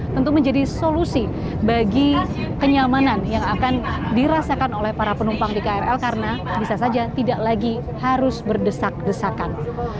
tentu menjadi solusi bagi kenyamanan yang akan dirasakan oleh para penumpang di krl karena bisa saja tidak lagi harus berdesak desakan